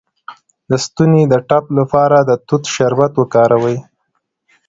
د ستوني د ټپ لپاره د توت شربت وکاروئ